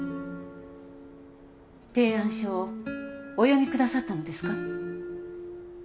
提案書をお読みくださったのですか？